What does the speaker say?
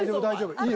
大丈夫。